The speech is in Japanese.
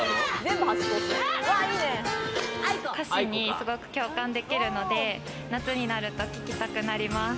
歌詞にすごく共感できるので、夏になると聞きたくなります。